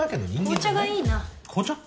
紅茶がいいな。